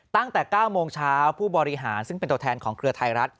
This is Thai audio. ตั้งแต่๙โมงเช้าผู้บริหารซึ่งเป็นตัวแทนของเครือไทยรัฐ